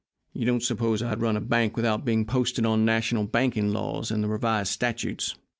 "You don't suppose I'd run a bank without being posted on national banking laws and the revised statutes!